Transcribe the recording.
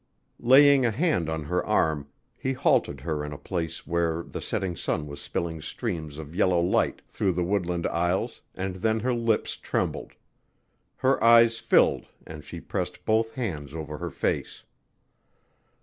Laying a hand on her arm, he halted her in a place where the setting sun was spilling streams of yellow light through the woodland aisles and then her lips trembled; her eyes filled and she pressed both hands over her face.